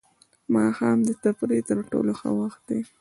ماښام د تفریح تر ټولو ښه وخت دی.